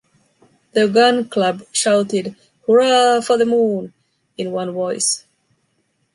The Gun Club shouted “Hurrah for the Moon!” in one voice.